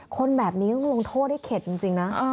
คนแบบนี้ต้องลงโทษให้เข็ดจริงนะ